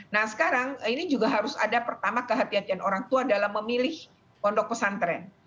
nah sekarang ini juga harus ada pertama kehatian orang tua dalam memilih pondok pesantren